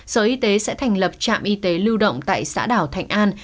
sở y tế sẽ thành lập trạm y tế lưu động tại xã đảo thạnh an